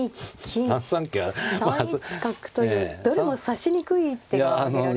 ３三桂６二金３一角というどれも指しにくい一手が挙げられています。